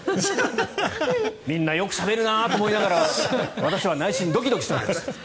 みんなよくしゃべるなと思いながら私は内心、ドキドキしてました。